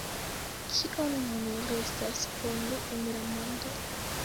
Kio nun restas por mi en la mondo?